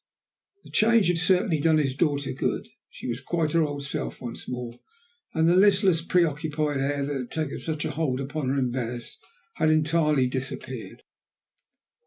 The change had certainly done his daughter good. She was quite her old self once more, and the listless, preoccupied air that had taken such a hold upon her in Venice had entirely disappeared.